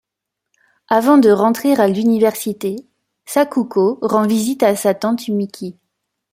Avant de rentrer à l'université, Sakuko rend visite à sa tante Mikie.